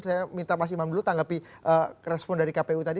saya minta mas iman tanggapi respon dari kpu tadi